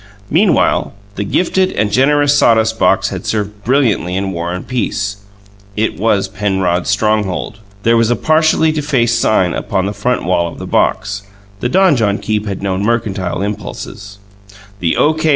Meanwhile, the gifted and generous sawdust box had served brilliantly in war and peace: it was Penrod's stronghold. There was a partially defaced sign upon the front wall of the box; the donjon keep had known mercantile impulses: The O. K.